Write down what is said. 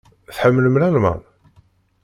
Tḥemmlem Lalman?